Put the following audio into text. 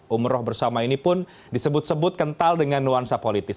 umroh bersama ini pun disebut sebut kental dengan nuansa politis